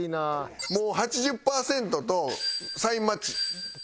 もう「８０％」と「サインマッチ」切る。